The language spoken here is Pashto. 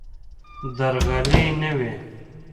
درغلي نه وي.